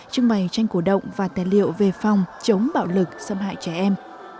trưng bày tranh cổ động và tài liệu về phòng chống bạo lực xâm hại trẻ em